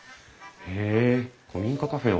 へえ古民家カフェを。